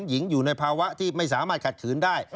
หญิงอยู่ในภาวะที่ไม่สามารถขัดขืนได้